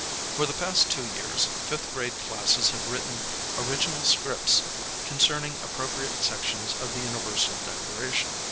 For the past 2 years, fiflh grade classes have written original scripts concerning ajipropriate sections of the L niversal Declaration.